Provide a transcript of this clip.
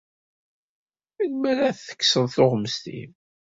Melmi ara ad tekkseḍ tuɣmest-im?